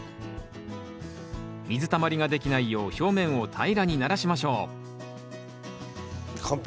水たまりができないよう表面を平らにならしましょう完璧。